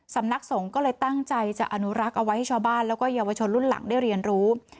สำนักสงฆ์ก็เลยตั้งใจจะอนุรักษ์เอาไว้ให้ชาวบ้านแล้วก็เยาวชนรุ่นหลังได้เรียนรู้